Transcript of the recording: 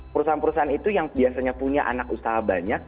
perusahaan perusahaan itu yang biasanya punya anak usaha banyak